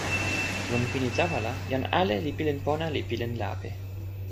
lon pini tawa la, jan ale li pilin pona, li pilin lape.